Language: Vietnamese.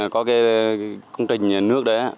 có cái công trình nước đấy